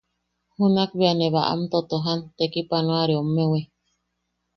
Junak bea ne baʼam totojan tekipanoareommewi.